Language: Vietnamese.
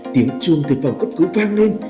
tiếng chuông thịt vào cấp cứu vang lên